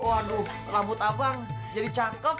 waduh rambut abang jadi cangkep